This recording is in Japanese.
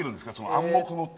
暗黙のって。